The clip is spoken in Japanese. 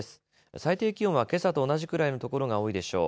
最低気温はけさと同じくらいの所が多いでしょう。